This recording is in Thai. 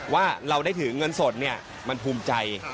ว่าเราได้ถือเงินสดมันภูมิใจ